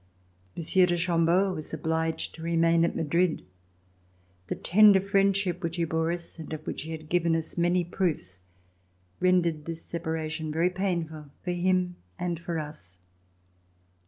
Monsieur de Chambeau was obliged to remain at Madrid. The tender friendship which he bore us, and of which he had given us many proofs, rendered this separa tion very painful for him and for us.